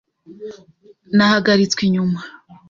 Nahagaritswe inyuma .